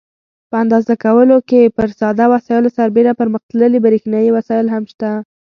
په اندازه کولو کې پر ساده وسایلو سربیره پرمختللي برېښنایي وسایل هم شته.